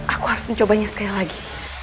aku harus mencobanya sekali lagi